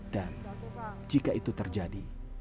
dan jika itu terjadi